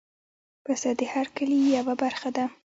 پسه د هر کلي یو برخه ده.